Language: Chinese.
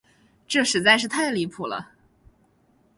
这实在是太离谱了。